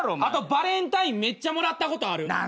あとバレンタインめっちゃもらったことある。